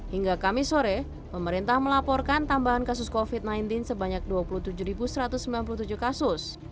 hingga kamis sore pemerintah melaporkan tambahan kasus covid sembilan belas sebanyak dua puluh tujuh satu ratus sembilan puluh tujuh kasus